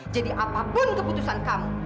jadi apapun keputusan kamu